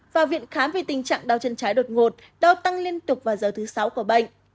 vào viện khám vì tình trạng đau chân trái đột ngột đau tăng liên tục vào giờ thứ sáu của bệnh